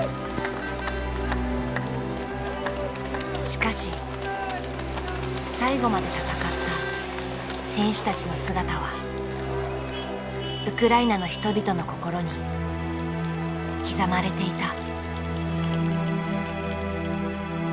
しかし最後まで戦った選手たちの姿はウクライナの人々の心に刻まれていた。